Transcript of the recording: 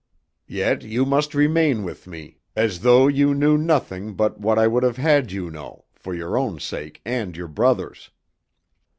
"Yet you must remain with me, as though you knew nothing but what I would have had you know, for your own sake and your brother's.